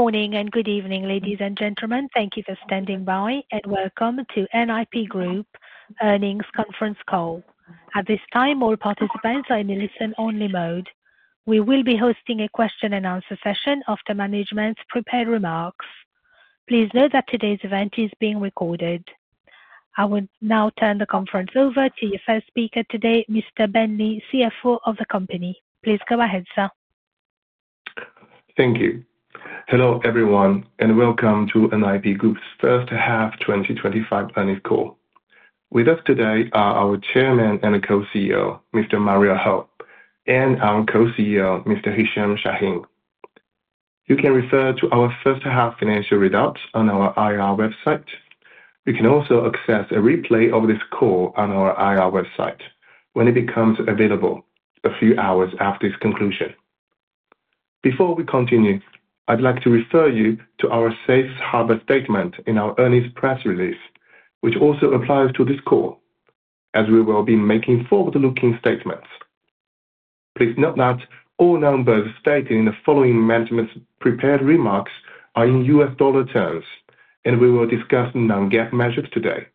Good morning and good evening, ladies and gentlemen. Thank you for standing by and welcome to NIP Group earnings conference call. At this time, all participants are in the listen-only mode. We will be hosting a question-and-answer session after management's prepared remarks. Please note that today's event is being recorded. I will now turn the conference over to your first speaker today, Mr. Benny, CFO of the company. Please go ahead, sir. Thank you. Hello, everyone, and welcome to NIP Group's first-half 2025 earnings call. With us today are our Chairman and Co-CEO, Mr. Mario Ho, and our Co-CEO, Mr. Hicham Chahine. You can refer to our first-half financial results on our IR website. You can also access a replay of this call on our IR website when it becomes available a few hours after its conclusion. Before we continue, I'd like to refer you to our Safe Harbor statement in our earnings press release, which also applies to this call, as we will be making forward-looking statements. Please note that all numbers stated in the following management's prepared remarks are in US dollar terms, and we will discuss non-GAAP measures today,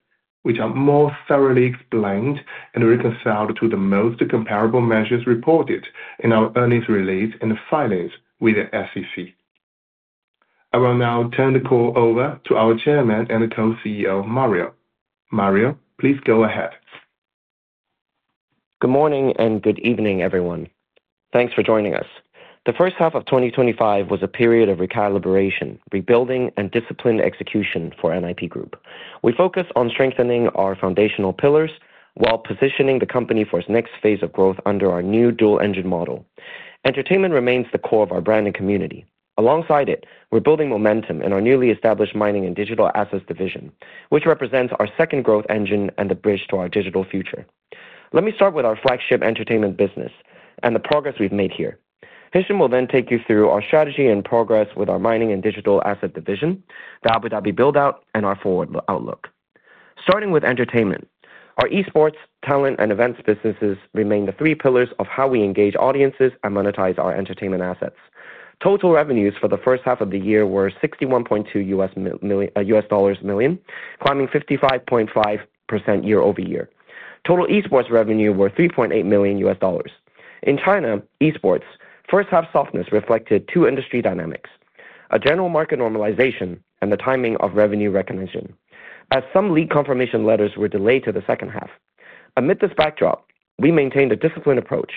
which are more thoroughly explained and reconciled to the most comparable measures reported in our earnings release and filings with the SEC. I will now turn the call over to our Chairman and Co-CEO, Mario. Mario, please go ahead. Good morning and good evening, everyone. Thanks for joining us. The first half of 2025 was a period of recalibration, rebuilding, and disciplined execution for NIP Group. We focused on strengthening our foundational pillars while positioning the company for its next phase of growth under our new dual-engine model. Entertainment remains the core of our brand and community. Alongside it, we're building momentum in our newly established mining and digital assets division, which represents our second growth engine and a bridge to our digital future. Let me start with our flagship entertainment business and the progress we've made here. Hicham will then take you through our strategy and progress with our mining and digital asset division, the Abu Dhabi build-out, and our forward outlook. Starting with entertainment, our esports, talent, and events businesses remain the three pillars of how we engage audiences and monetize our entertainment assets. Total revenues for the first half of the year were $61.2 million, climbing 55.5% year over year. Total esports revenue were $3.8 million. In China, esports' first-half softness reflected two industry dynamics: a general market normalization and the timing of revenue recognition, as some league confirmation letters were delayed to the second half. Amid this backdrop, we maintained a disciplined approach,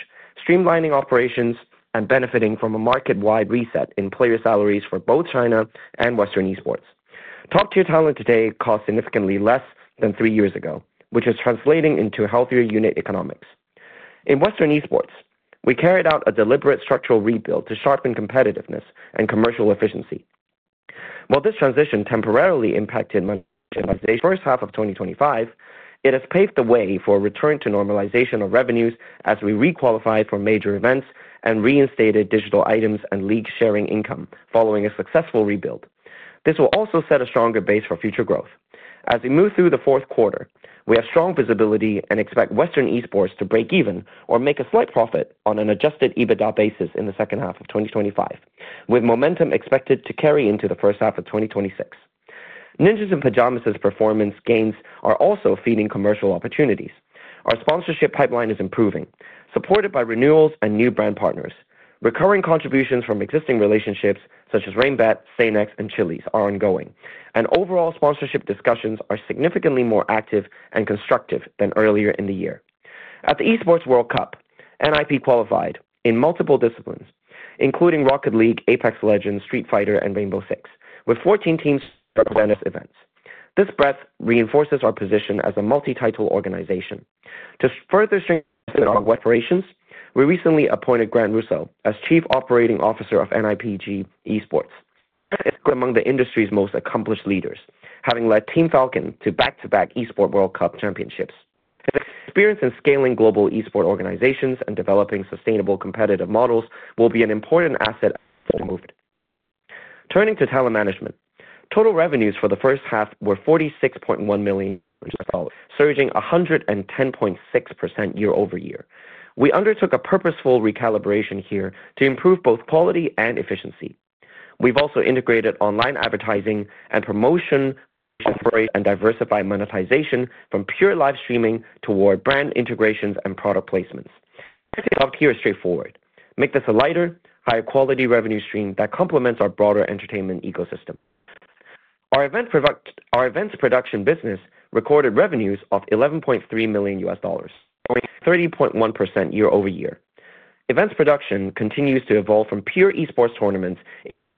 streamlining operations and benefiting from a market-wide reset in player salaries for both China and Western esports. Top-tier talent today costs significantly less than three years ago, which is translating into healthier unit economics. In Western esports, we carried out a deliberate structural rebuild to sharpen competitiveness and commercial efficiency. While this transition temporarily impacted marginalization in the first half of 2025, it has paved the way for a return to normalization of revenues as we requalified for major events and reinstated digital items and league-sharing income following a successful rebuild. This will also set a stronger base for future growth. As we move through the fourth quarter, we have strong visibility and expect Western esports to break even or make a slight profit on an adjusted EBITDA basis in the second half of 2025, with momentum expected to carry into the first half of 2026. Ninjas in Pajamas' performance gains are also feeding commercial opportunities. Our sponsorship pipeline is improving, supported by renewals and new brand partners. Recurring contributions from existing relationships such as Raybet, Sanix, and Chili's are ongoing, and overall sponsorship discussions are significantly more active and constructive than earlier in the year. At the Esports World Cup, NIP qualified in multiple disciplines, including Rocket League, Apex Legends, Street Fighter, and Rainbow Six, with 14 teams represented at events. This breadth reinforces our position as a multi-title organization. To further strengthen our operations, we recently appointed Grant Rousseau as Chief Operating Officer of NIPG Esports. He is among the industry's most accomplished leaders, having led Team Falcons to back-to-back Esports World Cup championships. His experience in scaling global esports organizations and developing sustainable competitive models will be an important asset for the movement. Turning to talent management, total revenues for the first half were $46.1 million, surging 110.6% year over year. We undertook a purposeful recalibration here to improve both quality and efficiency. We've also integrated online advertising and promotion and diversified monetization from pure live streaming toward brand integrations and product placements. Our key is straightforward: make this a lighter, higher-quality revenue stream that complements our broader entertainment ecosystem. Our events production business recorded revenues of $11.3 million, growing 30.1% year over year. Events production continues to evolve from pure esports tournaments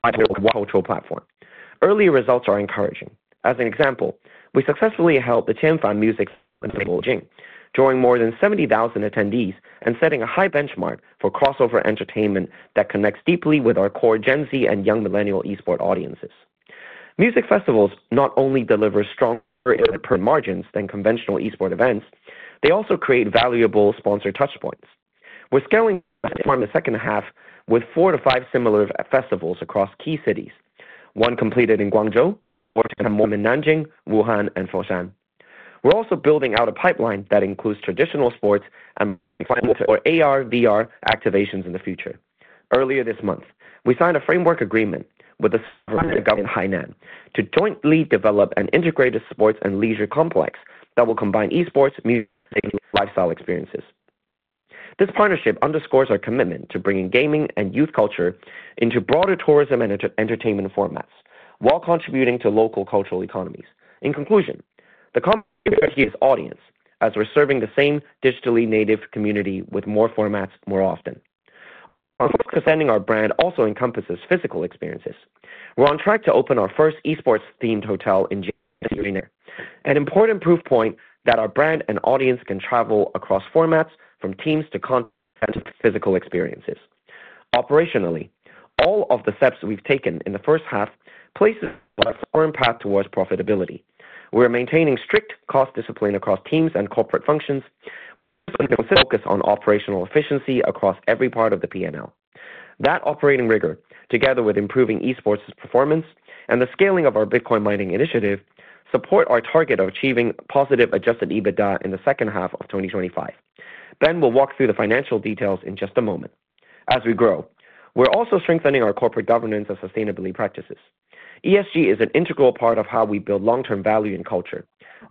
into a cultural platform. Early results are encouraging. As an example, we successfully held the Tianfan Music Festival in Beijing, drawing more than 70,000 attendees and setting a high benchmark for crossover entertainment that connects deeply with our core Gen Z and young millennial esports audiences. Music festivals not only deliver stronger return margins than conventional esports events, they also create valuable sponsor touchpoints. We're scaling the second half with four to five similar festivals across key cities, one completed in Guangzhou, one more in Nanjing, Wuhan, and Foshan. We're also building out a pipeline that includes traditional sports and AR/VR activations in the future. Earlier this month, we signed a framework agreement with the government of Hainan to jointly develop an integrated sports and leisure complex that will combine esports, music, and lifestyle experiences. This partnership underscores our commitment to bringing gaming and youth culture into broader tourism and entertainment formats while contributing to local cultural economies. In conclusion, the company's audience as we're serving the same digitally native community with more formats more often. Our focus on extending our brand also encompasses physical experiences. We're on track to open our first esports-themed hotel in January, an important proof point that our brand and audience can travel across formats from teams to content and physical experiences. Operationally, all of the steps we've taken in the first half places us on a firm path towards profitability. We're maintaining strict cost discipline across teams and corporate functions, with a focus on operational efficiency across every part of the P&L. That operating rigor, together with improving esports performance and the scaling of our Bitcoin mining initiative, supports our target of achieving positive adjusted EBITDA in the second half of 2025. We will walk through the financial details in just a moment. As we grow, we're also strengthening our corporate governance and sustainability practices. ESG is an integral part of how we build long-term value and culture.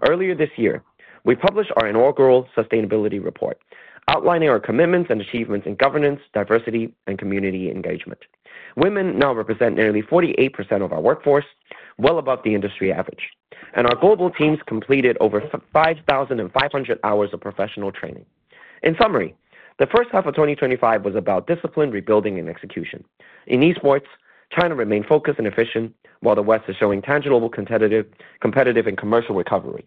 Earlier this year, we published our inaugural sustainability report, outlining our commitments and achievements in governance, diversity, and community engagement. Women now represent nearly 48% of our workforce, well above the industry average, and our global teams completed over 5,500 hours of professional training. In summary, the first half of 2025 was about discipline, rebuilding, and execution. In esports, China remained focused and efficient, while the West is showing tangible competitive and commercial recovery.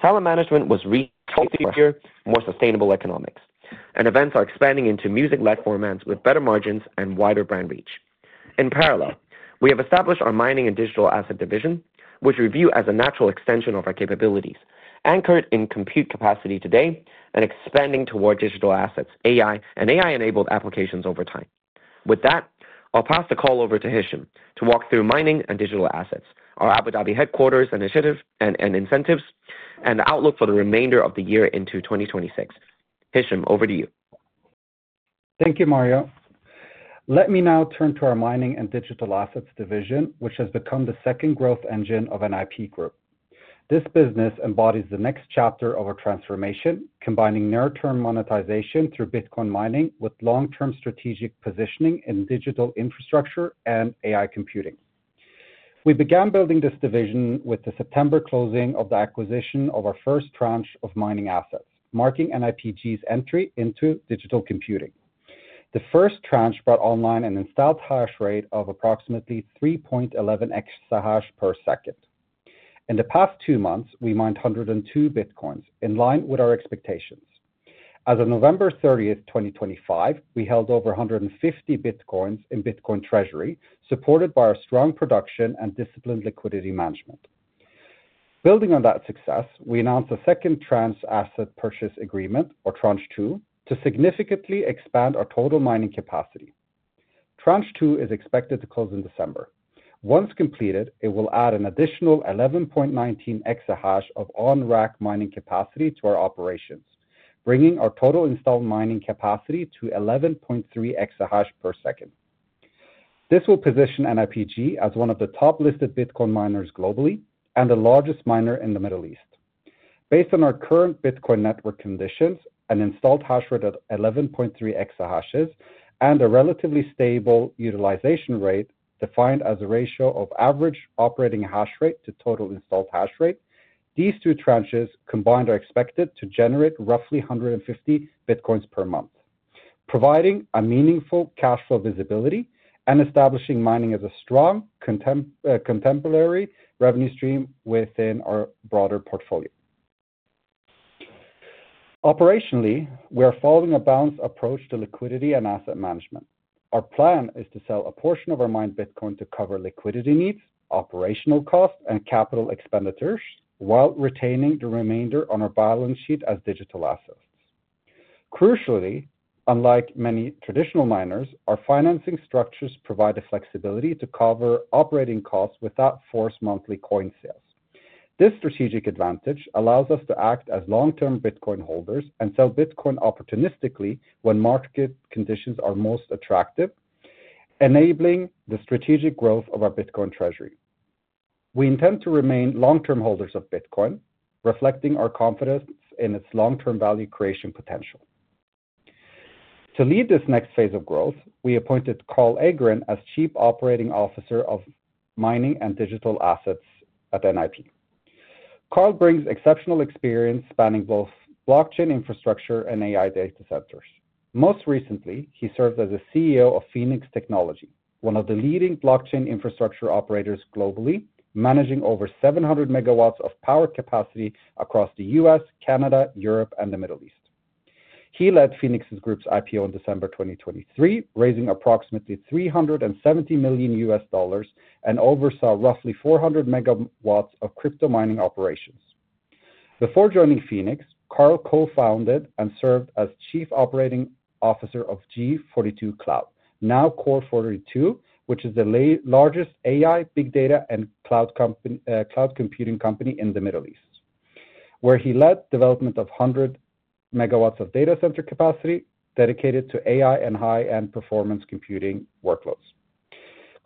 Talent management was re-targeted for more sustainable economics, and events are expanding into music-led formats with better margins and wider brand reach. In parallel, we have established our mining and digital asset division, which we view as a natural extension of our capabilities, anchored in compute capacity today and expanding toward digital assets, AI, and AI-enabled applications over time. With that, I'll pass the call over to Hicham to walk through mining and digital assets, our Abu Dhabi headquarters initiative and incentives, and the outlook for the remainder of the year into 2026. Hicham, over to you. Thank you, Mario. Let me now turn to our mining and digital assets division, which has become the second growth engine of NIP Group. This business embodies the next chapter of our transformation, combining near-term monetization through Bitcoin mining with long-term strategic positioning in digital infrastructure and AI computing. We began building this division with the September closing of the acquisition of our first tranche of mining assets, marking NIPG's entry into digital computing. The first tranche brought online an installed hash rate of approximately 3.11 exahash per second. In the past two months, we mined 102 Bitcoins, in line with our expectations. As of November 30, 2025, we held over 150 Bitcoins in Bitcoin treasury, supported by our strong production and disciplined liquidity management. Building on that success, we announced a second tranche asset purchase agreement, or tranche two, to significantly expand our total mining capacity. Tranche two is expected to close in December. Once completed, it will add an additional 11.19 exahash of on-rack mining capacity to our operations, bringing our total installed mining capacity to 11.3 exahash per second. This will position NIP Group as one of the top-listed Bitcoin miners globally and the largest miner in the Middle East. Based on our current Bitcoin network conditions and installed hash rate at 11.3 exahash and a relatively stable utilization rate defined as a ratio of average operating hash rate to total installed hash rate, these two tranches combined are expected to generate roughly 150 Bitcoins per month, providing a meaningful cash flow visibility and establishing mining as a strong contemporary revenue stream within our broader portfolio. Operationally, we are following a balanced approach to liquidity and asset management. Our plan is to sell a portion of our mined Bitcoin to cover liquidity needs, operational costs, and capital expenditures, while retaining the remainder on our balance sheet as digital assets. Crucially, unlike many traditional miners, our financing structures provide the flexibility to cover operating costs without forced monthly coin sales. This strategic advantage allows us to act as long-term Bitcoin holders and sell Bitcoin opportunistically when market conditions are most attractive, enabling the strategic growth of our Bitcoin treasury. We intend to remain long-term holders of Bitcoin, reflecting our confidence in its long-term value creation potential. To lead this next phase of growth, we appointed Carl Agren as Chief Operating Officer of Mining and Digital Assets at NIP. Carl brings exceptional experience spanning both blockchain infrastructure and AI data centers. Most recently, he served as the CEO of Phoenix Group, one of the leading blockchain infrastructure operators globally, managing over 700 megawatts of power capacity across the U.S., Canada, Europe, and the Middle East. He led Phoenix Group's IPO in December 2023, raising approximately $370 million and oversaw roughly 400 megawatts of crypto mining operations. Before joining Phoenix, Carl co-founded and served as Chief Operating Officer of G42 Cloud, now Core42, which is the largest AI, big data, and cloud computing company in the Middle East, where he led the development of 100 megawatts of data center capacity dedicated to AI and high-performance computing workloads.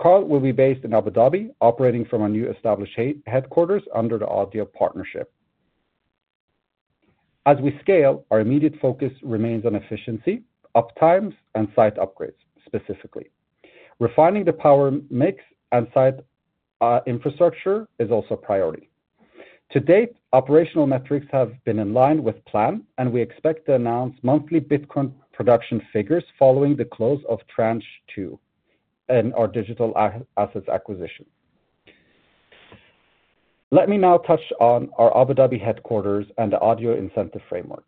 Carl will be based in Abu Dhabi, operating from a newly established headquarters under the Abu Dhabi Partnership. As we scale, our immediate focus remains on efficiency, uptimes, and site upgrades, specifically. Refining the power mix and site infrastructure is also a priority. To date, operational metrics have been in line with plan, and we expect to announce monthly Bitcoin production figures following the close of tranche two in our digital assets acquisition. Let me now touch on our Abu Dhabi headquarters and the Abu Dhabi Incentive Framework.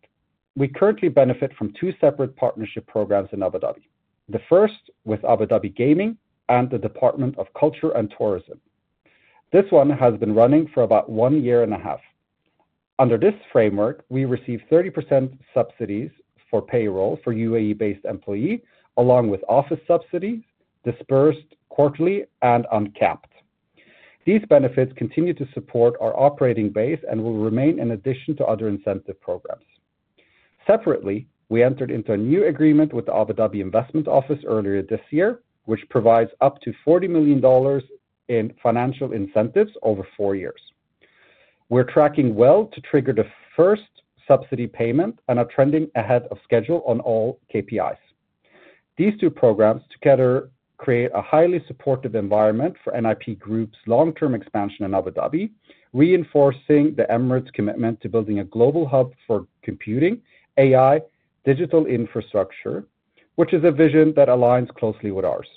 We currently benefit from two separate partnership programs in Abu Dhabi, the first with Abu Dhabi Gaming and the Department of Culture and Tourism – Abu Dhabi. This one has been running for about one year and a half. Under this framework, we receive 30% subsidies for payroll for UAE-based employees, along with office subsidies disbursed quarterly and uncapped. These benefits continue to support our operating base and will remain in addition to other incentive programs. Separately, we entered into a new agreement with the Abu Dhabi Investment Office earlier this year, which provides up to $40 million in financial incentives over four years. We're tracking well to trigger the first subsidy payment and are trending ahead of schedule on all KPIs. These two programs together create a highly supportive environment for NIP Group's long-term expansion in Abu Dhabi, reinforcing the Emirates' commitment to building a global hub for computing, AI digital infrastructure, which is a vision that aligns closely with ours.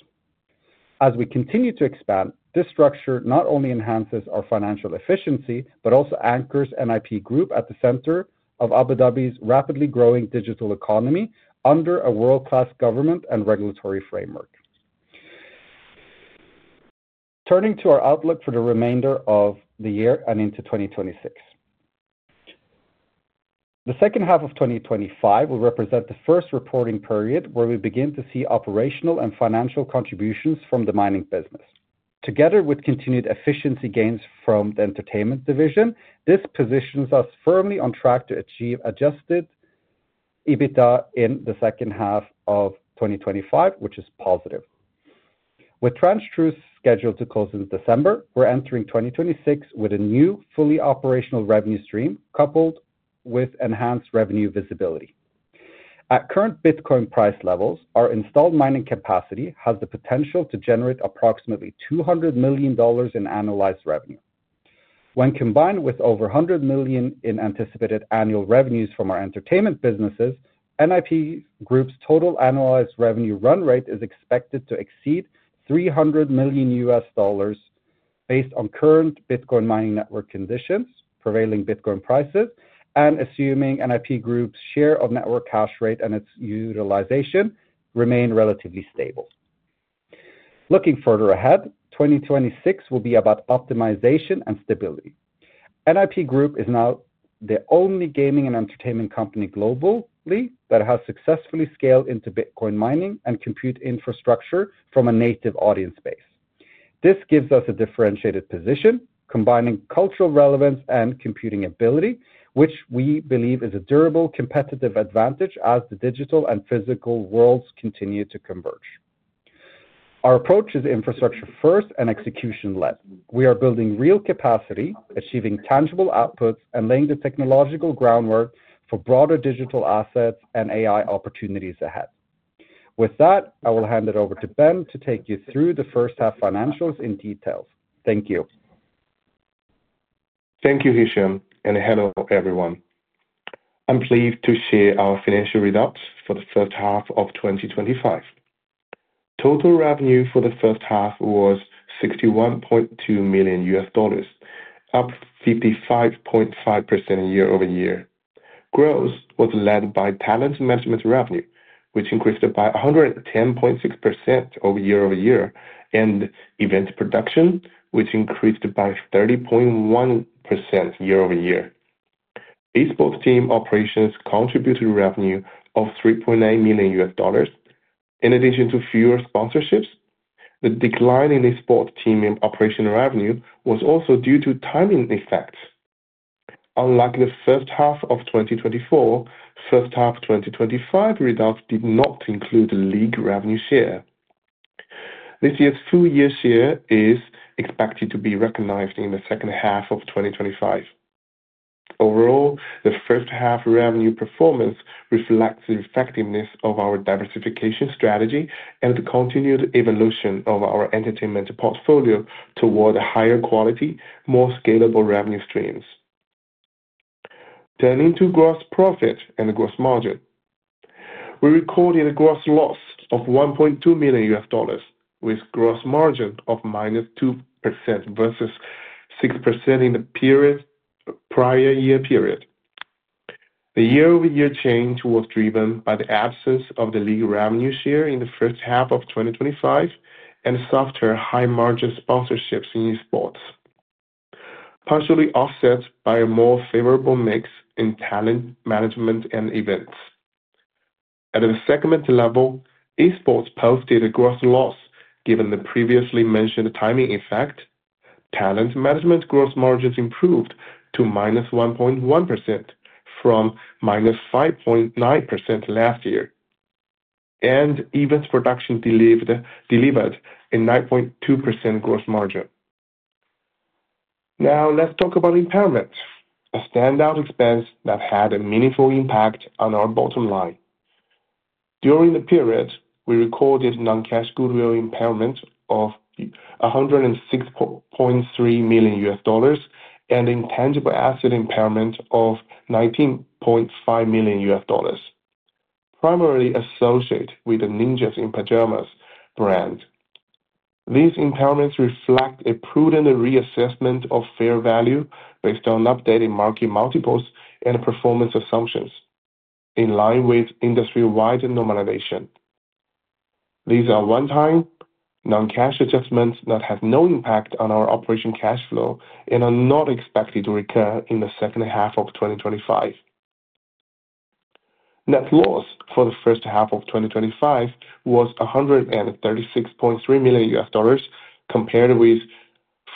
As we continue to expand, this structure not only enhances our financial efficiency but also anchors NIP Group at the center of Abu Dhabi's rapidly growing digital economy under a world-class government and regulatory framework. Turning to our outlook for the remainder of the year and into 2026. The second half of 2025 will represent the first reporting period where we begin to see operational and financial contributions from the mining business. Together with continued efficiency gains from the entertainment division, this positions us firmly on track to achieve adjusted EBITDA in the second half of 2025, which is positive. With tranche two scheduled to close in December, we're entering 2026 with a new fully operational revenue stream coupled with enhanced revenue visibility. At current Bitcoin price levels, our installed mining capacity has the potential to generate approximately $200 million in annualized revenue. When combined with over $100 million in anticipated annual revenues from our entertainment businesses, NIP Group's total annualized revenue run rate is expected to exceed $300 million US dollars based on current Bitcoin mining network conditions, prevailing Bitcoin prices, and assuming NIP Group's share of network hash rate and its utilization remain relatively stable. Looking further ahead, 2026 will be about optimization and stability. NIP Group is now the only gaming and entertainment company globally that has successfully scaled into Bitcoin mining and compute infrastructure from a native audience base. This gives us a differentiated position, combining cultural relevance and computing ability, which we believe is a durable competitive advantage as the digital and physical worlds continue to converge. Our approach is infrastructure-first and execution-led. We are building real capacity, achieving tangible outputs, and laying the technological groundwork for broader digital assets and AI opportunities ahead. With that, I will hand it over to Ben to take you through the first half financials in detail. Thank you. Thank you, Hicham, and hello, everyone. I'm pleased to share our financial results for the first half of 2025. Total revenue for the first half was $61.2 million, up 55.5% year over year. Growth was led by talent management revenue, which increased by 110.6% year over year, and event production, which increased by 30.1% year over year. Esports team operations contributed revenue of $3.8 million, in addition to fewer sponsorships. The decline in esports team operation revenue was also due to timing effects. Unlike the first half of 2024, first half 2025 results did not include the league revenue share. This year's full year share is expected to be recognized in the second half of 2025. Overall, the first half revenue performance reflects the effectiveness of our diversification strategy and the continued evolution of our entertainment portfolio toward higher quality, more scalable revenue streams. Turning to gross profit and gross margin, we recorded a gross loss of $1.2 million, with a gross margin of -2% versus 6% in the prior year period. The year-over-year change was driven by the absence of the league revenue share in the first half of 2025 and softer high-margin sponsorships in esports, partially offset by a more favorable mix in talent management and events. At the segment level, esports posted a gross loss given the previously mentioned timing effect. Talent management gross margins improved to -1.1% from -5.9% last year, and events production delivered a 9.2% gross margin. Now, let's talk about impairment, a standout expense that had a meaningful impact on our bottom line. During the period, we recorded non-cash goodwill impairment of $106.3 million and intangible asset impairment of $19.5 million, primarily associated with the Ninjas in Pajamas brand. These impairments reflect a prudent reassessment of fair value based on updated market multiples and performance assumptions, in line with industry-wide normalization. These are one-time non-cash adjustments that have no impact on our operating cash flow and are not expected to recur in the second half of 2025. Net loss for the first half of 2025 was $136.3 million, compared with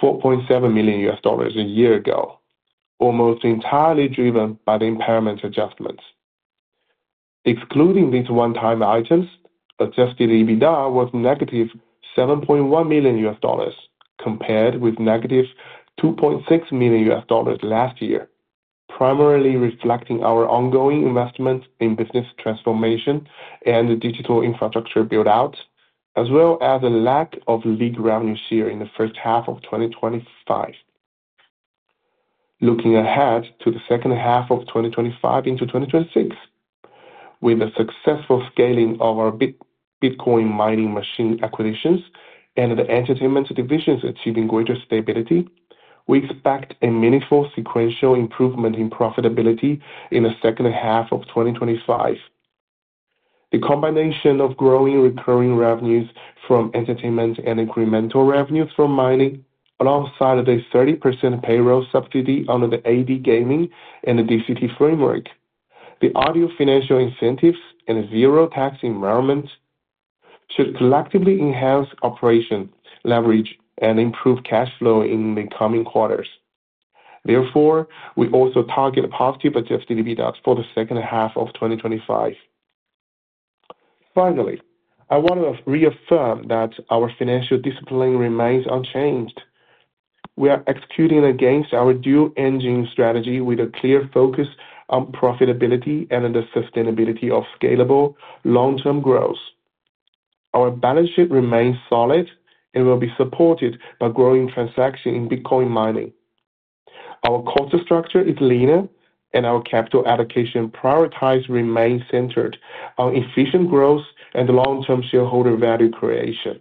$4.7 million a year ago, almost entirely driven by the impairment adjustments. Excluding these one-time items, adjusted EBITDA was -$7.1 million, compared with -$2.6 million last year, primarily reflecting our ongoing investment in business transformation and digital infrastructure build-out, as well as a lack of league revenue share in the first half of 2025. Looking ahead to the second half of 2025 into 2026, with the successful scaling of our Bitcoin mining machine acquisitions and the entertainment divisions achieving greater stability, we expect a meaningful sequential improvement in profitability in the second half of 2025. The combination of growing recurring revenues from entertainment and incremental revenues from mining, alongside the 30% payroll subsidy under the Abu Dhabi Gaming and the DCT framework. The Abu Dhabi financial incentives, and a zero-tax environment should collectively enhance operation leverage and improve cash flow in the coming quarters. Therefore, we also target positive adjusted EBITDA for the second half of 2025. Finally, I want to reaffirm that our financial discipline remains unchanged. We are executing against our dual engine strategy with a clear focus on profitability and the sustainability of scalable long-term growth. Our balance sheet remains solid and will be supported by growing transactions in Bitcoin mining. Our culture structure is leaner, and our capital allocation priorities remain centered on efficient growth and long-term shareholder value creation.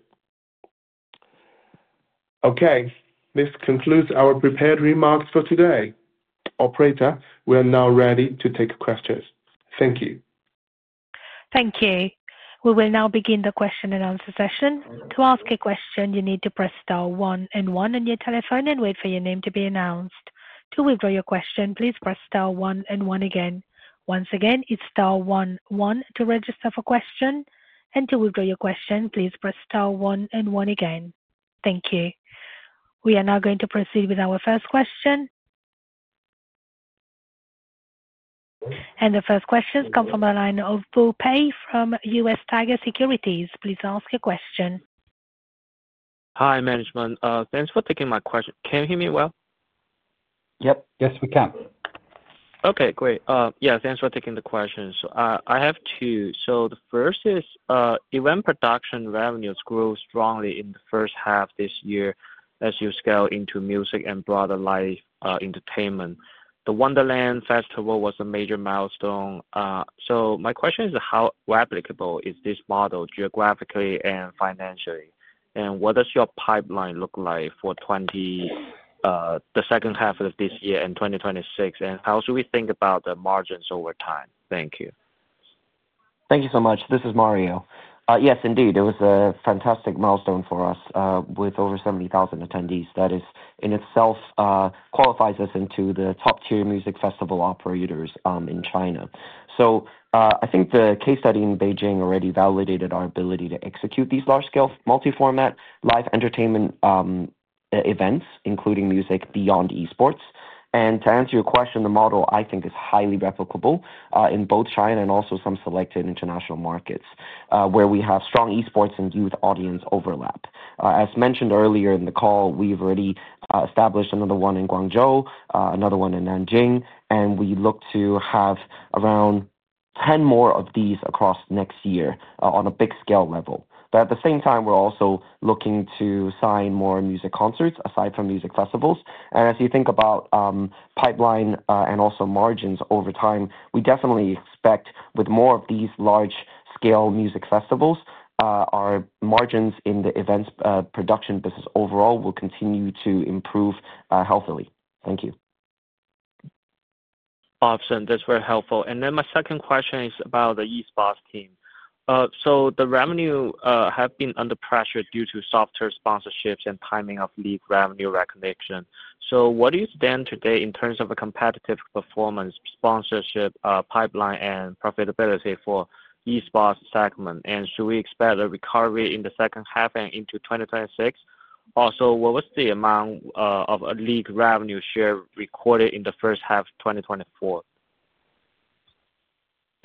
Okay, this concludes our prepared remarks for today. Operator, we are now ready to take questions. Thank you. Thank you. We will now begin the question and answer session. To ask a question, you need to press star one and one on your telephone and wait for your name to be announced. To withdraw your question, please press star one and one again. Once again, it is star one, one to register for question. To withdraw your question, please press star one and one again. Thank you. We are now going to proceed with our first question. The first questions come from Bo Pei from US Tiger Securities. Please ask your question. Hi, management. Thanks for taking my question. Can you hear me well? Yep. Yes, we can. Okay, great. Yeah, thanks for taking the questions. I have two. The first is event production revenues grew strongly in the first half this year as you scale into music and broader live entertainment. The Wonderland Festival was a major milestone. My question is, how applicable is this model geographically and financially? What does your pipeline look like for the second half of this year and 2026? How should we think about the margins over time? Thank you. Thank you so much. This is Mario. Yes, indeed, it was a fantastic milestone for us with over 70,000 attendees. That in itself qualifies us into the top-tier music festival operators in China. I think the case study in Beijing already validated our ability to execute these large-scale multi-format live entertainment events, including music beyond esports. To answer your question, the model I think is highly replicable in both China and also some selected international markets where we have strong esports and youth audience overlap. As mentioned earlier in the call, we've already established another one in Guangzhou, another one in Nanjing, and we look to have around 10 more of these across next year on a big scale level. At the same time, we're also looking to sign more music concerts aside from music festivals. As you think about pipeline and also margins over time, we definitely expect with more of these large-scale music festivals, our margins in the events production business overall will continue to improve healthily. Thank you. Awesome. That's very helpful. My second question is about the esports team. The revenue has been under pressure due to softer sponsorships and timing of league revenue recognition. Where do you stand today in terms of competitive performance, sponsorship pipeline, and profitability for esports segment? Should we expect a recovery in the second half and into 2026? Also, what was the amount of league revenue share recorded in the first half of 2024?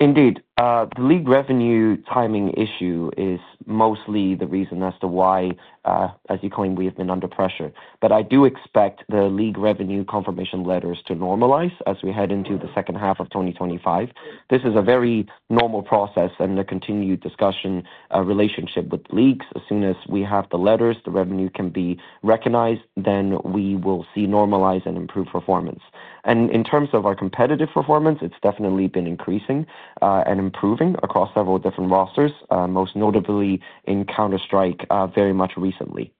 Indeed, the league revenue timing issue is mostly the reason as to why, as you claim, we have been under pressure. I do expect the league revenue confirmation letters to normalize as we head into the second half of 2025. This is a very normal process and a continued discussion relationship with leagues. As soon as we have the letters, the revenue can be recognized, then we will see normalize and improve performance. In terms of our competitive performance, it's definitely been increasing and improving across several different rosters, most notably in Counter-Strike very much recently.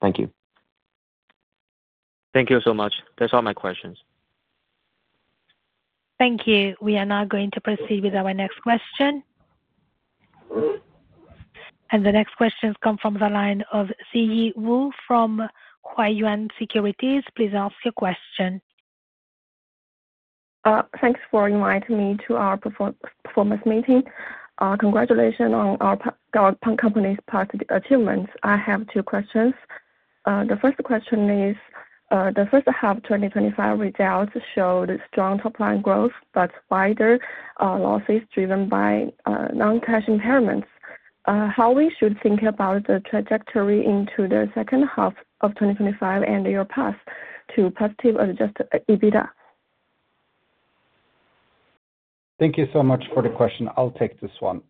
Thank you. Thank you so much. That's all my questions. Thank you. We are now going to proceed with our next question. The next question come from the line of Zhiyi Wu from Huayuan Securities. Please ask your question. Thanks for inviting me to our performance meeting. Congratulations on our company's past achievements. I have two questions. The first question is, the first half 2025 results showed strong top-line growth, but wider losses driven by non-cash impairments. How should we think about the trajectory into the second half of 2025 and the year past to positive adjusted EBITDA? Thank you so much for the question. I'll take this one.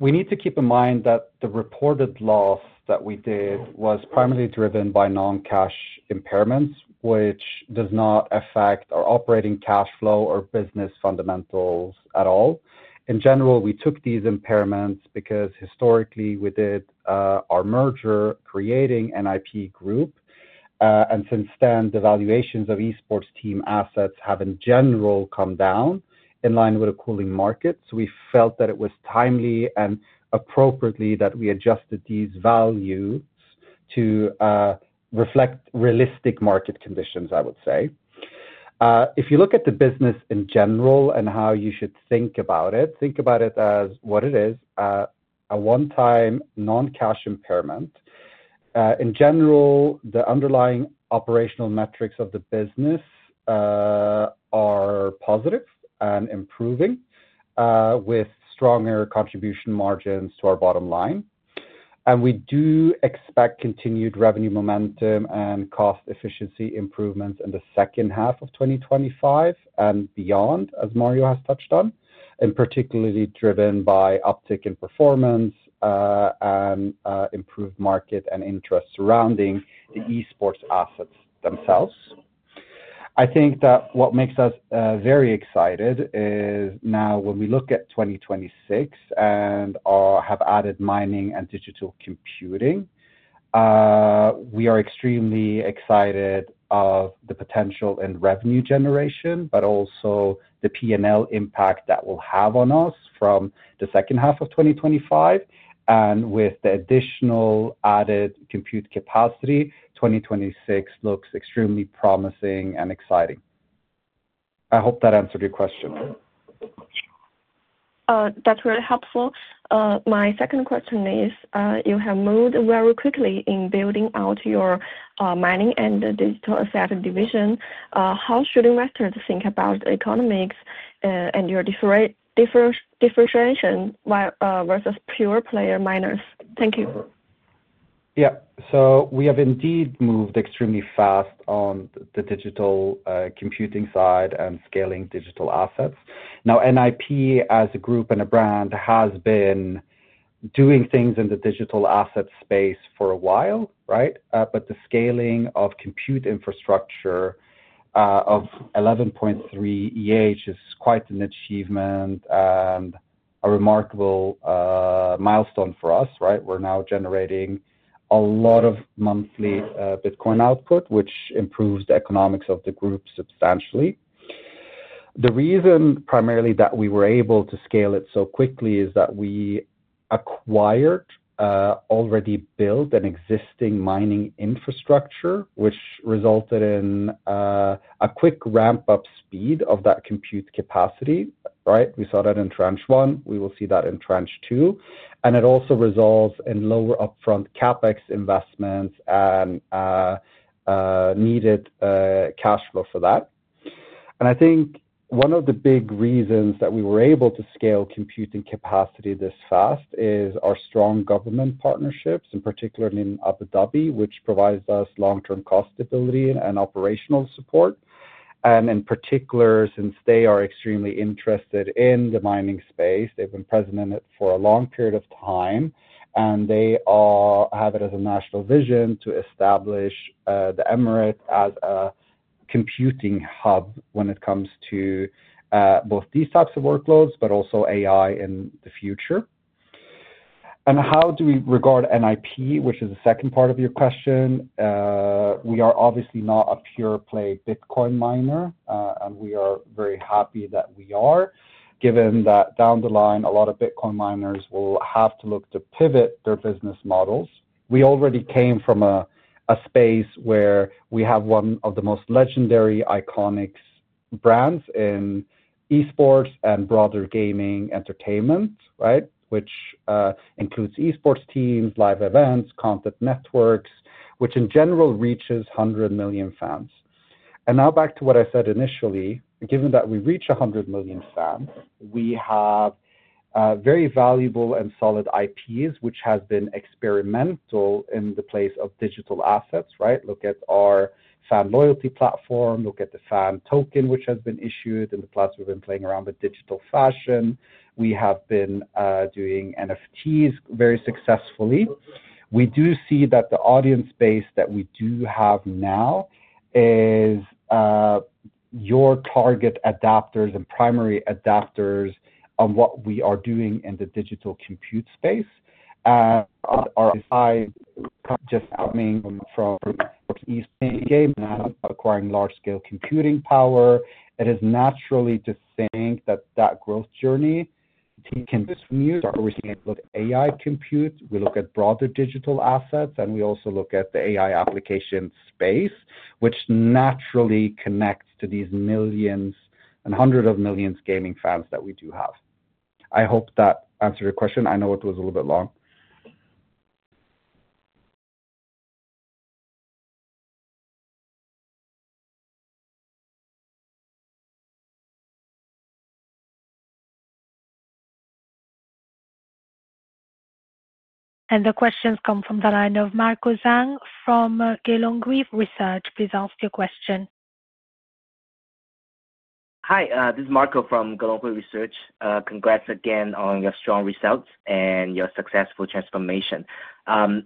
We need to keep in mind that the reported loss that we did was primarily driven by non-cash impairments, which does not affect our operating cash flow or business fundamentals at all. In general, we took these impairments because historically we did our merger creating NIP Group. Since then, the valuations of esports team assets have in general come down in line with a cooling market. We felt that it was timely and appropriate that we adjusted these values to reflect realistic market conditions, I would say. If you look at the business in general and how you should think about it, think about it as what it is, a one-time non-cash impairment. In general, the underlying operational metrics of the business are positive and improving with stronger contribution margins to our bottom line. We do expect continued revenue momentum and cost efficiency improvements in the second half of 2025 and beyond, as Mario has touched on, and particularly driven by uptick in performance and improved market and interest surrounding the esports assets themselves. I think that what makes us very excited is now when we look at 2026 and have added mining and digital computing, we are extremely excited about the potential and revenue generation, but also the P&L impact that will have on us from the second half of 2025. With the additional added compute capacity, 2026 looks extremely promising and exciting. I hope that answered your question. That's really helpful. My second question is, you have moved very quickly in building out your mining and digital asset division. How should investors think about economics and your differentiation versus pure player miners? Thank you. Yeah. We have indeed moved extremely fast on the digital computing side and scaling digital assets. Now, NIP as a group and a brand has been doing things in the digital asset space for a while, right? The scaling of compute infrastructure of 11.3 is quite an achievement and a remarkable milestone for us, right? We're now generating a lot of monthly Bitcoin output, which improves the economics of the group substantially. The reason primarily that we were able to scale it so quickly is that we acquired already built and existing mining infrastructure, which resulted in a quick ramp-up speed of that compute capacity, right? We saw that in tranche one. We will see that in tranche two. It also results in lower upfront CapEx investments and needed cash flow for that. I think one of the big reasons that we were able to scale computing capacity this fast is our strong government partnerships, in particular in Abu Dhabi, which provides us long-term cost stability and operational support. In particular, since they are extremely interested in the mining space, they've been present in it for a long period of time, and they have it as a national vision to establish the Emirate as a computing hub when it comes to both these types of workloads, but also AI in the future. How do we regard NIP, which is the second part of your question? We are obviously not a pure play Bitcoin miner, and we are very happy that we are, given that down the line, a lot of Bitcoin miners will have to look to pivot their business models. We already came from a space where we have one of the most legendary, iconic brands in esports and broader gaming entertainment, right? Which includes esports teams, live events, content and influencer networks, which in general reaches 100 million fans. Now, back to what I said initially, given that we reach 100 million fans, we have very valuable and solid IPs, which has been experimental in the place of digital assets, right? Look at our fan loyalty platform, look at the fan token, which has been issued in the past. We've been playing around with digital fashion. We have been doing NFTs very successfully. We do see that the audience base that we do have now is your target adapters and primary adapters on what we are doing in the digital compute space. Our side just coming from esports gaming and acquiring large-scale computing power, it is naturally to think that that growth journey can smooth our recently looked AI compute. We look at broader digital assets, and we also look at the AI application space, which naturally connects to these millions and hundreds of millions gaming fans that we do have. I hope that answered your question. I know it was a little bit long. The questions come from the line of Marco Zhang from Gelonghui Research. Please ask your question. Hi, this is Marco from Gelonghui Research. Congrats again on your strong results and your successful transformation. I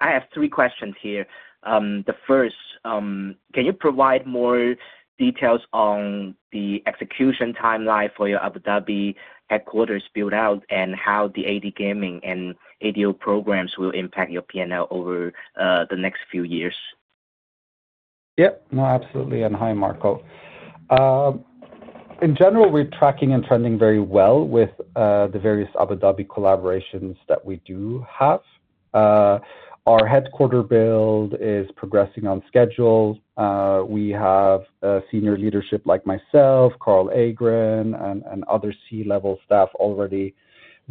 have three questions here. The first, can you provide more details on the execution timeline for your Abu Dhabi headquarters build-out and how the Abu Dhabi Gaming and Abu Dhabi Investment Office programs will impact your P&L over the next few years? Yep. No, absolutely. Hi, Marco. In general, we're tracking and trending very well with the various Abu Dhabi collaborations that we do have. Our headquarter build is progressing on schedule. We have senior leadership like myself, Carl Agren, and other C-level staff already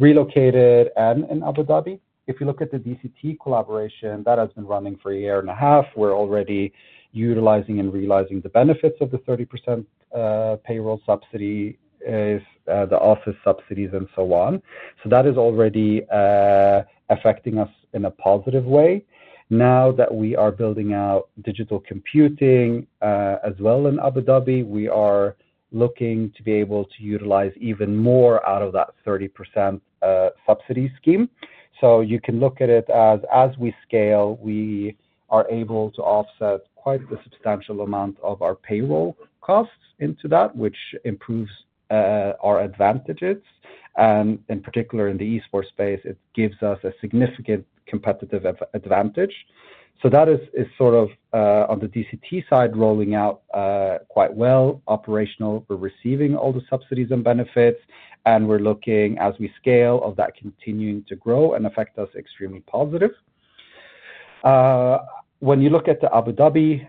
relocated and in Abu Dhabi. If you look at the Department of Culture and Tourism – Abu Dhabi collaboration, that has been running for a year and a half. We're already utilizing and realizing the benefits of the 30% payroll subsidy, the office subsidies, and so on. That is already affecting us in a positive way. Now that we are building out digital computing as well in Abu Dhabi, we are looking to be able to utilize even more out of that 30% subsidy scheme. You can look at it as we scale, we are able to offset quite a substantial amount of our payroll costs into that, which improves our advantages. In particular, in the esports space, it gives us a significant competitive advantage. That is sort of on the DCT side rolling out quite well. Operational, we are receiving all the subsidies and benefits, and we are looking as we scale at that continuing to grow and affect us extremely positive. When you look at the Abu Dhabi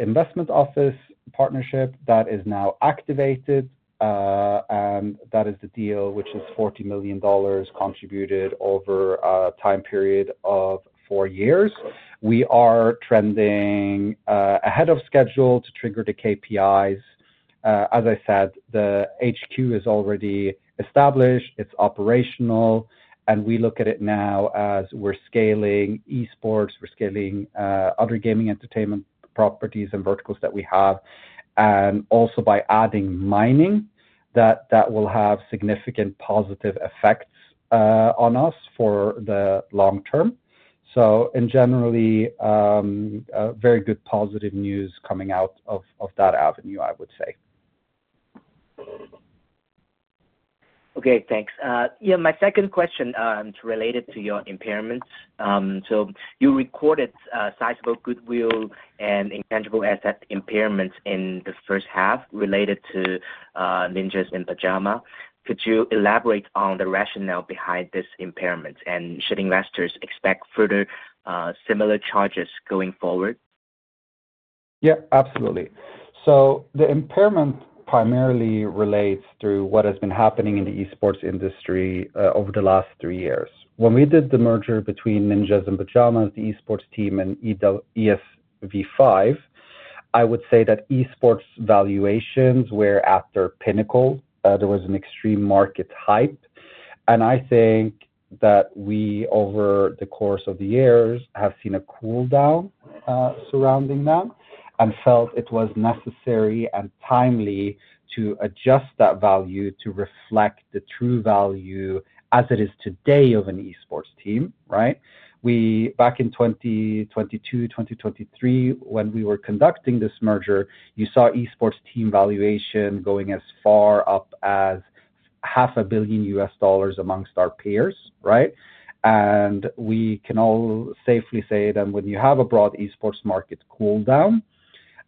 Investment Office partnership, that is now activated, and that is the deal which is $40 million contributed over a time period of four years. We are trending ahead of schedule to trigger the KPIs. As I said, the HQ is already established. It is operational. We look at it now as we're scaling esports, we're scaling other gaming entertainment properties and verticals that we have. Also, by adding mining, that will have significant positive effects on us for the long term. In general, very good positive news coming out of that avenue, I would say. Okay, thanks. My second question is related to your impairments. You recorded sizable goodwill and intangible asset impairments in the first half related to Ninjas in Pajamas. Could you elaborate on the rationale behind this impairment and should investors expect further similar charges going forward? Yeah, absolutely. The impairment primarily relates to what has been happening in the esports industry over the last three years. When we did the merger between Ninjas in Pajamas, the esports team, and ESV5, I would say that esports valuations were at their pinnacle. There was an extreme market hype. I think that we, over the course of the years, have seen a cooldown surrounding them and felt it was necessary and timely to adjust that value to reflect the true value as it is today of an esports team, right? Back in 2022, 2023, when we were conducting this merger, you saw esports team valuation going as far up as $500,000,000 amongst our peers, right? We can all safely say that when you have a broad esports market cooldown,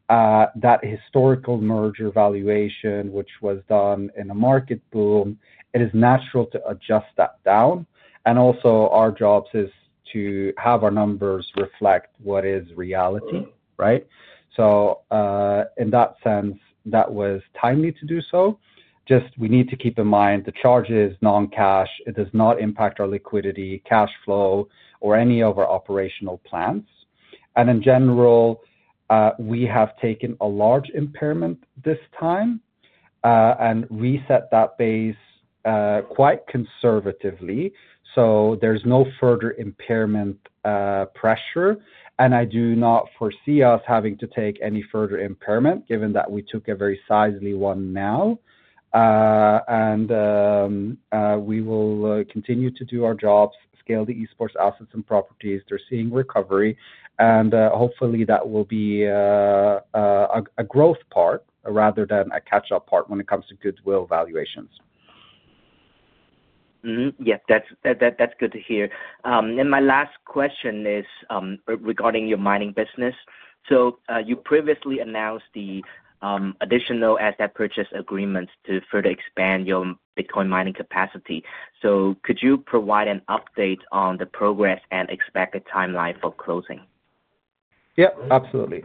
that historical merger valuation, which was done in a market boom, it is natural to adjust that down. Also, our jobs is to have our numbers reflect what is reality, right? In that sense, that was timely to do so. We need to keep in mind the charge is non-cash, it does not impact our liquidity, cash flow, or any of our operational plans. In general, we have taken a large impairment this time and reset that base quite conservatively. There is no further impairment pressure. I do not foresee us having to take any further impairment, given that we took a very sizely one now. We will continue to do our jobs, scale the esports assets and properties. They are seeing recovery. Hopefully that will be a growth part rather than a catch-up part when it comes to goodwill valuations. Yes, that's good to hear. My last question is regarding your mining business. You previously announced the additional asset purchase agreements to further expand your Bitcoin mining capacity. Could you provide an update on the progress and expected timeline for closing? Yep, absolutely.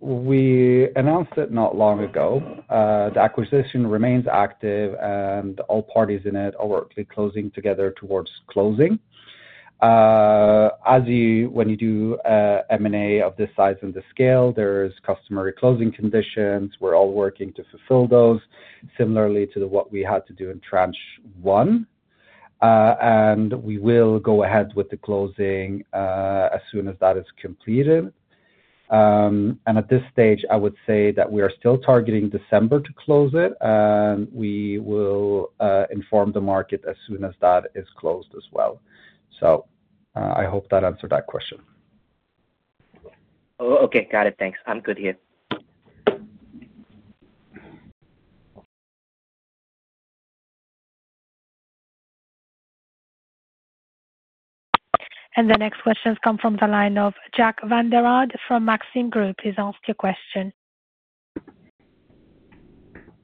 We announced it not long ago. The acquisition remains active, and all parties in it are working closely together towards closing. When you do M&A of this size and this scale, there are customary closing conditions. We are all working to fulfill those, similarly to what we had to do in tranche one. We will go ahead with the closing as soon as that is completed. At this stage, I would say that we are still targeting December to close it, and we will inform the market as soon as that is closed as well. I hope that answered that question. Oh, okay. Got it. Thanks. I'm good here. The next questions come from the line of Jack Vander Aarde from Maxim Group. Please ask your question.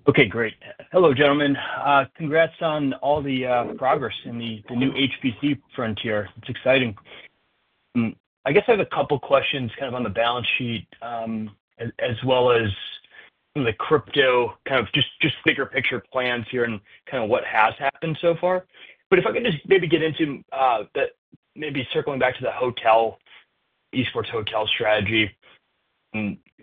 Okay, great. Hello, gentlemen. Congrats on all the progress in the new HPC frontier. It's exciting. I guess I have a couple of questions kind of on the balance sheet as well as the crypto kind of just bigger picture plans here and kind of what has happened so far. If I can just maybe get into that, maybe circling back to the esports hotel strategy.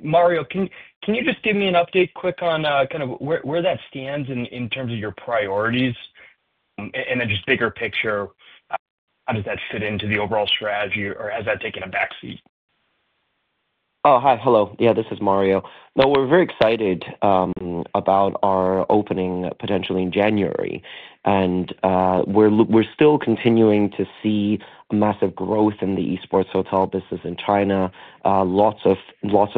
Mario, can you just give me an update quick on kind of where that stands in terms of your priorities and then just bigger picture? How does that fit into the overall strategy, or has that taken a backseat? Oh, hi, hello. Yeah, this is Mario. No, we're very excited about our opening potentially in January. We're still continuing to see massive growth in the esports hotel business in China, lots of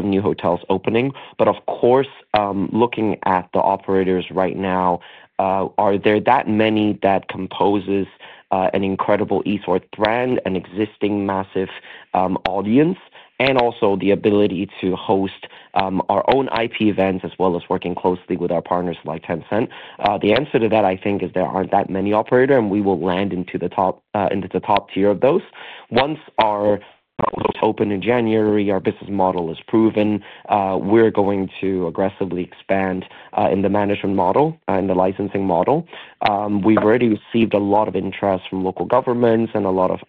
new hotels opening. Of course, looking at the operators right now, are there that many that composes an incredible esports brand, an existing massive audience, and also the ability to host our own IP events as well as working closely with our partners like Tencent? The answer to that, I think, is there aren't that many operators, and we will land into the top tier of those. Once our hotels open in January, our business model is proven, we're going to aggressively expand in the management model and the licensing model. We have already received a lot of interest from local governments and a lot of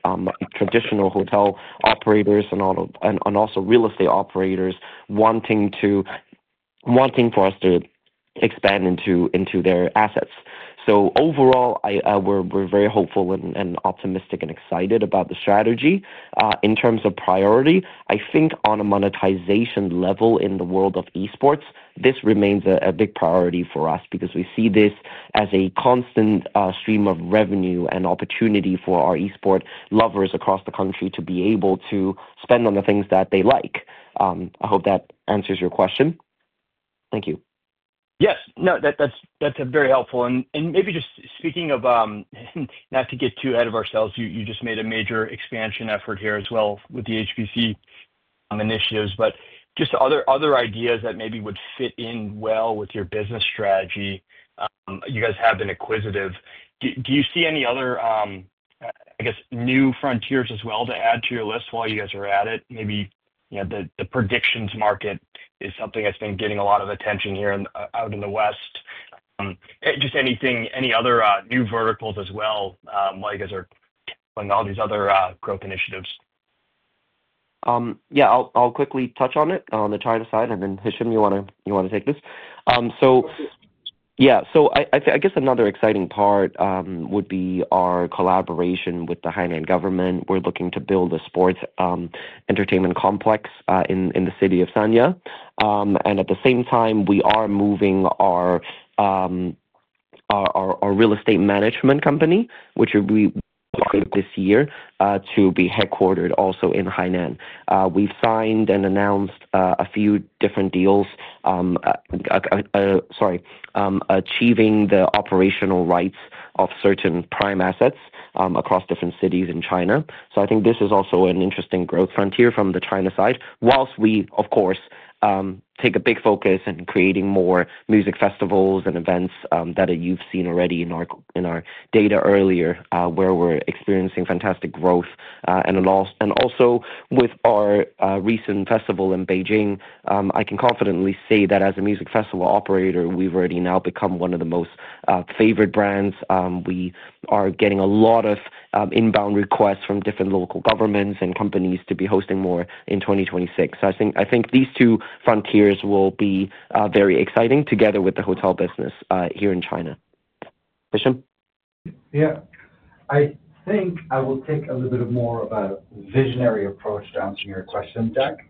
traditional hotel operators and also real estate operators wanting for us to expand into their assets. Overall, we are very hopeful and optimistic and excited about the strategy. In terms of priority, I think on a monetization level in the world of esports, this remains a big priority for us because we see this as a constant stream of revenue and opportunity for our esports lovers across the country to be able to spend on the things that they like. I hope that answers your question. Thank you. Yes. No, that's very helpful. Maybe just speaking of not to get too ahead of ourselves, you just made a major expansion effort here as well with the HPC initiatives. Just other ideas that maybe would fit in well with your business strategy. You guys have been inquisitive. Do you see any other, I guess, new frontiers as well to add to your list while you guys are at it? Maybe the predictions market is something that's been getting a lot of attention here out in the west. Just any other new verticals as well while you guys are doing all these other growth initiatives? Yeah, I'll quickly touch on it on the China side, and then Hicham, you want to take this. Yeah, I guess another exciting part would be our collaboration with the Hainan government. We're looking to build a sports entertainment complex in the city of Sanya. At the same time, we are moving our real estate management company, which we opened this year, to be headquartered also in Hainan. We've signed and announced a few different deals, achieving the operational rights of certain prime assets across different cities in China. I think this is also an interesting growth frontier from the China side, whilst we, of course, take a big focus in creating more music festivals and events that you've seen already in our data earlier, where we're experiencing fantastic growth. With our recent festival in Beijing, I can confidently say that as a music festival operator, we've already now become one of the most favored brands. We are getting a lot of inbound requests from different local governments and companies to be hosting more in 2026. I think these two frontiers will be very exciting together with the hotel business here in China. Hicham? Yeah. I think I will take a little bit more of a visionary approach to answering your question, Jack,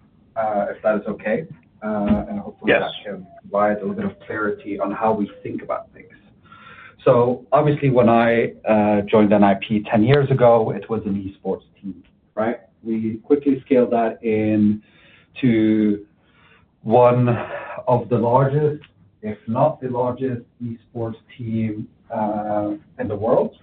if that is okay. Hopefully, that can provide a little bit of clarity on how we think about things. Obviously, when I joined NIP 10 years ago, it was an esports team, right? We quickly scaled that into one of the largest, if not the largest, esports team in the world.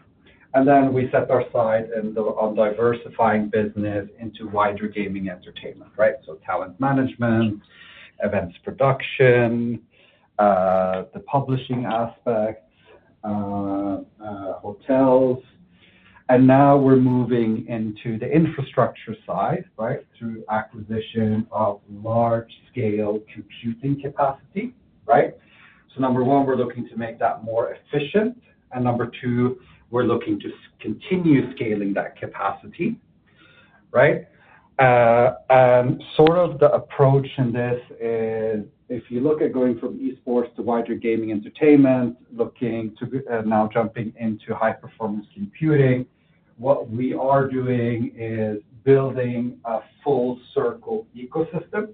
We set our sights on diversifying business into wider gaming entertainment, right? Talent management, events production, the publishing aspects, hotels. Now we're moving into the infrastructure side, right, through acquisition of large-scale computing capacity, right? Number one, we're looking to make that more efficient. Number two, we're looking to continue scaling that capacity, right? The approach in this is, if you look at going from esports to wider gaming entertainment, looking to now jumping into high-performance computing, what we are doing is building a full-circle ecosystem.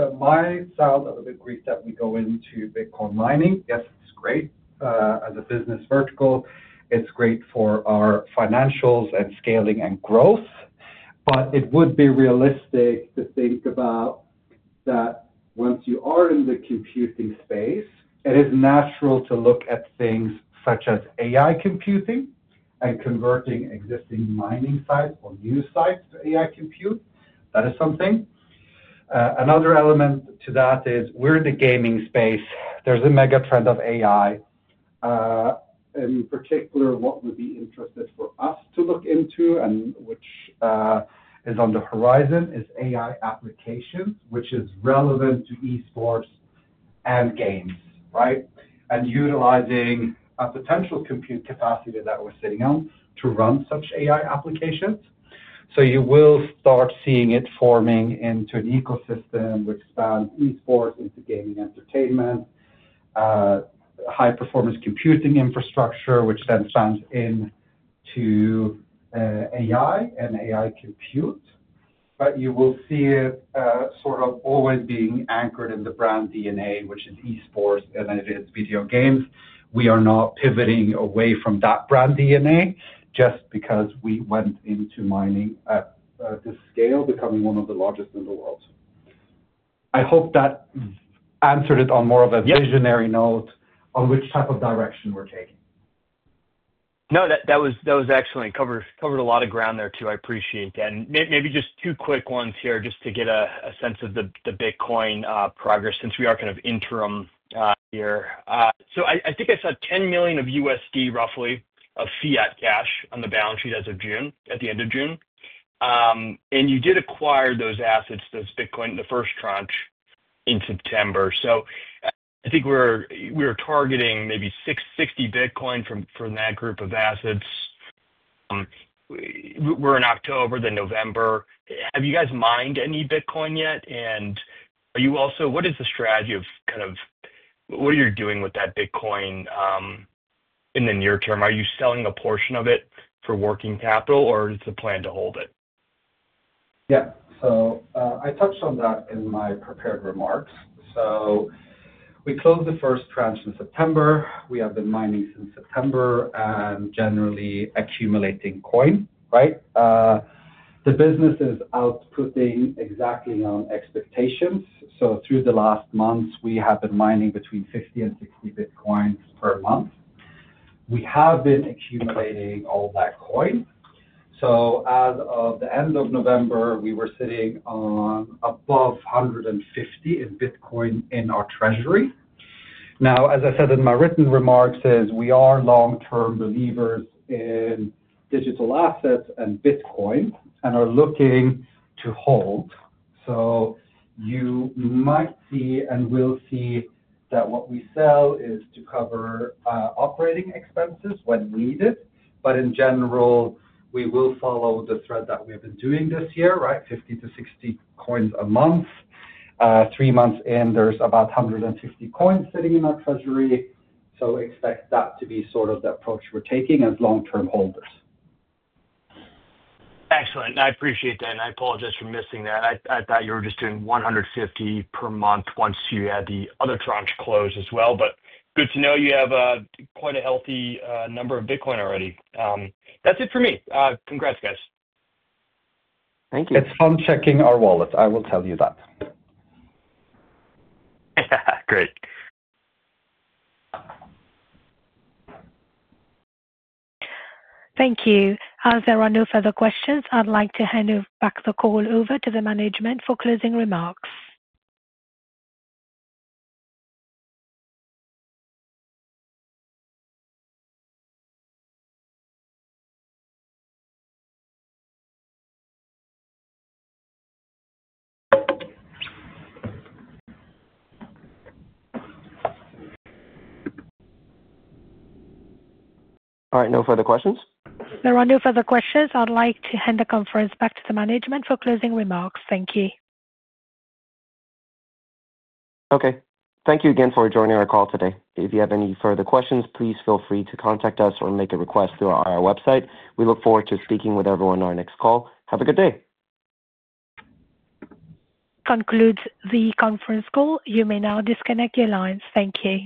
It might sound a little bit weird that we go into Bitcoin mining. Yes, it's great as a business vertical. It's great for our financials and scaling and growth. It would be realistic to think about that once you are in the computing space, it is natural to look at things such as AI computing and converting existing mining sites or new sites to AI compute. That is something. Another element to that is we're in the gaming space. There's a mega trend of AI. In particular, what would be interesting for us to look into and which is on the horizon is AI applications, which is relevant to esports and games, right? Utilizing a potential compute capacity that we're sitting on to run such AI applications, you will start seeing it forming into an ecosystem which spans esports into gaming entertainment, high-performance computing infrastructure, which then spans into AI and AI compute. You will see it sort of always being anchored in the brand DNA, which is esports, and it is video games. We are not pivoting away from that brand DNA just because we went into mining at this scale, becoming one of the largest in the world. I hope that answered it on more of a visionary note on which type of direction we're taking. No, that was excellent. Covered a lot of ground there too. I appreciate that. Maybe just two quick ones here just to get a sense of the Bitcoin progress since we are kind of interim here. I think I saw $10 million of USD, roughly, of fiat cash on the balance sheet as of June, at the end of June. You did acquire those assets, those Bitcoin, the first tranche in September. I think we're targeting maybe 60 Bitcoin from that group of assets. We're in October, then November. Have you guys mined any Bitcoin yet? What is the strategy of kind of what are you doing with that Bitcoin in the near term? Are you selling a portion of it for working capital, or is the plan to hold it? Yeah. I touched on that in my prepared remarks. We closed the first tranche in September. We have been mining since September and generally accumulating coin, right? The business is outputting exactly on expectations. Through the last months, we have been mining between 50-60 Bitcoins per month. We have been accumulating all that coin. As of the end of November, we were sitting on above 150 in Bitcoin in our treasury. As I said in my written remarks, we are long-term believers in digital assets and Bitcoin and are looking to hold. You might see and will see that what we sell is to cover operating expenses when needed. In general, we will follow the thread that we have been doing this year, right? 50-60 coins a month. Three months in, there's about 150 coins sitting in our treasury. Expect that to be sort of the approach we're taking as long-term holders. Excellent. I appreciate that. I apologize for missing that. I thought you were just doing 150 per month once you had the other tranche close as well. Good to know you have quite a healthy number of Bitcoin already. That's it for me. Congrats, guys. Thank you. It's fun checking our wallet. I will tell you that. Great. Thank you. As there are no further questions, I'd like to hand back the call over to the management for closing remarks. All right. No further questions? There are no further questions. I'd like to hand the conference back to the management for closing remarks. Thank you. Okay. Thank you again for joining our call today. If you have any further questions, please feel free to contact us or make a request through our website. We look forward to speaking with everyone on our next call. Have a good day. Concludes the conference call. You may now disconnect your lines. Thank you.